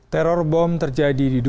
teror bom terjadi di dukuhu